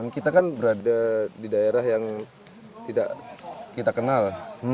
kita kan berada di daerah yang tidak kita kenal